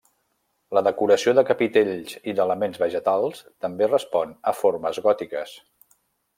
La decoració de capitells i d'elements vegetals també respon a formes gòtiques.